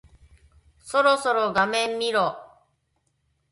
そろそろ画面見ろ。